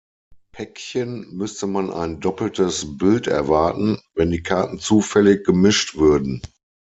Päckchen müsste man ein doppeltes Bild erwarten, wenn die Karten zufällig gemischt würden.